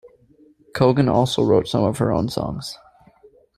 Cogan also wrote some of her own songs.